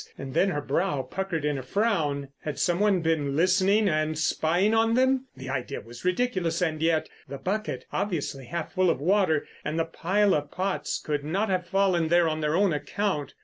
And then her brow puckered in a frown.... Had some one been listening and spying on them? The idea was ridiculous, and yet—the bucket, obviously half full of water, and the pile of pots could not have fallen there on their own account.